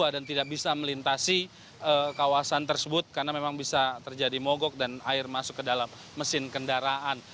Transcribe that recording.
dan tidak bisa melintasi kawasan tersebut karena memang bisa terjadi mogok dan air masuk ke dalam mesin kendaraan